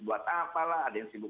buat apalah ada yang sibuk